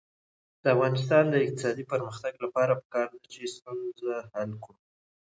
د افغانستان د اقتصادي پرمختګ لپاره پکار ده چې ستونزه حل کړو.